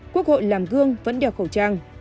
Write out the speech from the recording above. quốc hội làm gương vẫn đeo khẩu trang